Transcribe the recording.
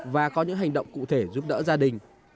và có những hành động cụ thể giúp đỡ gia đình